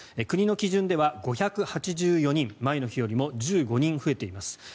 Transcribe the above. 国の基準では５８４人前の日よりも１５人増えています。